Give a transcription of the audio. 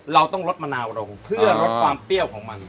เราต้องลดมะนาวลงเพื่อลดความเปรี้ยวของมัน